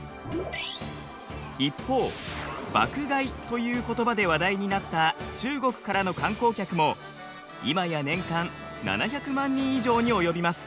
一方爆買いという言葉で話題になった中国からの観光客も今や年間７００万人以上に及びます。